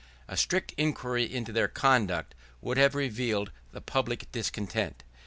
A strict inquiry into their conduct would have relieved the public discontent.